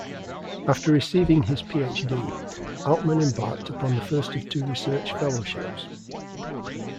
After receiving his Ph.D., Altman embarked upon the first of two research fellowships.